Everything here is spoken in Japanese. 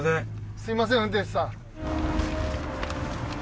すみません運転手さん。